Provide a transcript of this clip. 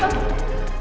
ya ampun meka